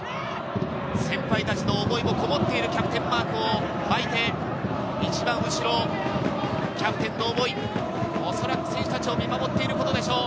先輩たちの思いもこもってるキャプテンマークを巻いて、一番後ろ、キャプテンの思い、恐らく選手たちを見守っていることでしょう。